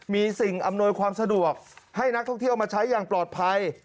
มีสิ่งอำนวยความสะดวกให้นักท่องเที่ยวมาใช้อย่างปลอดภัย